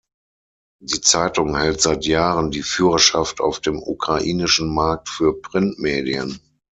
Die Zeitung hält seit Jahren die Führerschaft auf dem ukrainischen Markt für Printmedien.